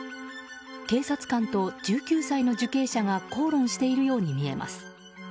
警察官と１９歳の受刑者が口論しているように見えます。